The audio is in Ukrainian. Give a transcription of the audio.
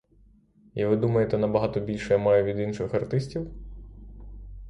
І ви думаєте, набагато більше я маю від інших артистів?